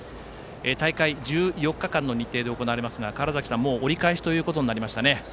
大会１４日間の日程で行われますが川原崎さん折り返しとなりました。